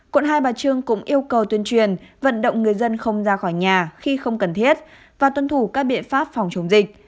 quận hai bà trưng cũng yêu cầu tuyên truyền vận động người dân không ra khỏi nhà khi không cần thiết và tuân thủ các biện pháp phòng chống dịch